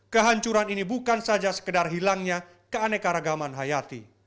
kehancuran ini bukan saja sekedar hilangnya keanekaragaman hayati